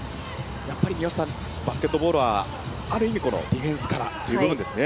やっぱりバスケットボールはある意味、このディフェンスからという部分ですね。